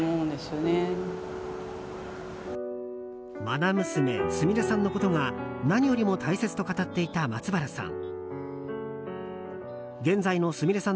愛娘すみれさんのことが何よりも大切と語っていた松原さん。